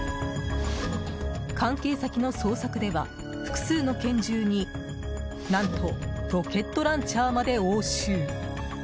関係先の捜索では、複数の拳銃に何とロケットランチャーまで押収。